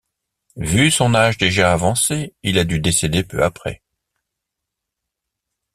Vu son âge déjà avancé, il a dû décéder peu après.